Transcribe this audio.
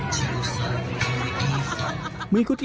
dan nengerti risi tony hey n gateway